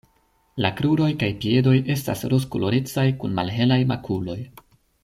La kruroj kaj piedoj estas rozkolorecaj kun malhelaj makuloj.